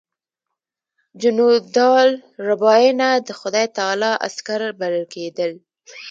جنودالربانیه د خدای تعالی عسکر بلل کېدل.